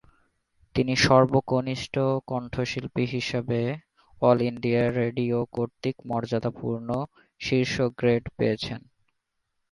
তিনি সর্বকনিষ্ঠ কণ্ঠশিল্পী হিসেবে অল ইন্ডিয়া রেডিও কর্তৃক মর্যাদাপূর্ণ ‘শীর্ষ গ্রেড’ পেয়েছেন।